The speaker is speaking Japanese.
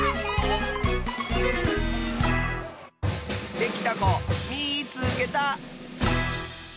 できたこみいつけた！